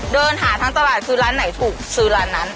เดินหาทั้งตลาดคือร้านไหนถูกซื้อร้านนั้น